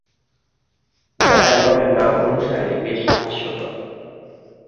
যা অ্যালবামের নাম অনুসারে বেশ হাস্যকর।